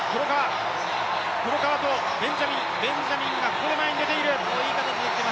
黒川とベンジャミン、ここでベンジャミンが前に出ている。